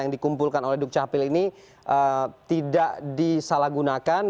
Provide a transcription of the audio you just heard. yang dikumpulkan oleh duk capil ini tidak disalahgunakan